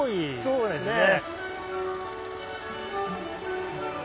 そうですね。